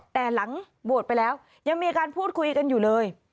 แต่หลังโหวตไปแล้วยังมีการพูดคุยกันอยู่เลย